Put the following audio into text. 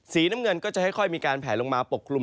สีน้ำเงินก็จะค่อยมีการแผลลงมาปกคลุม